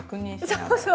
そうそう。